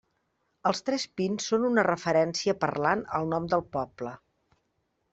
Els tres pins són una referència parlant al nom del poble.